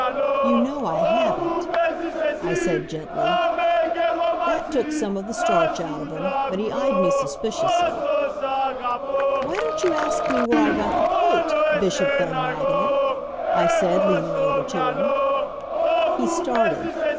"You know I haven't," I said gently. That took some of the starch out of him, but he eyed me suspiciously. "Why don't you ask me where I got the coat, Bishop Van Wagenen?" I said, leaning over to him. He started.